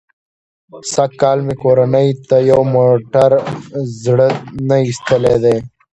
سږ کال مې کورنۍ ته یو موټر زړه نه ایستلی دی.